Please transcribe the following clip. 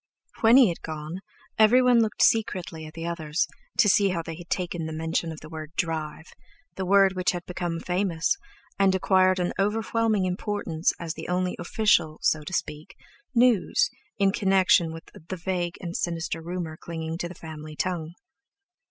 When he had gone everyone looked secretly at the others, to see how they had taken the mention of the word "drive"—the word which had become famous, and acquired an overwhelming importance, as the only official—so to speak—news in connection with the vague and sinister rumour clinging to the family tongue.